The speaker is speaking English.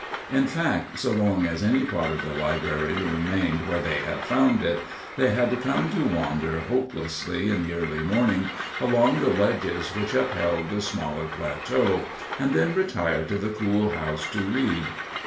In fact, so long as any part of the library remained where they had found it, they had come to wander hopelessly in the early morning along the ledges which upheld the smaller plateau, and then retire to the cool house to read.